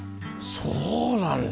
そうなんだ